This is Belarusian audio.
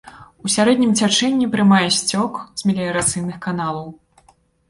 У сярэднім цячэнні прымае сцёк з меліярацыйных каналаў.